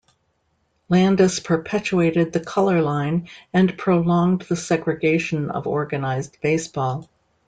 Landis perpetuated the color line and prolonged the segregation of organized baseball.